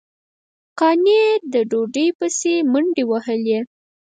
قانع د ډوډۍ پسې منډې وهلې.